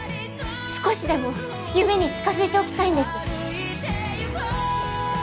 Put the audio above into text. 少しでも夢に近づいておきたいんです